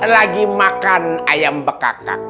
lagi makan ayam bekakak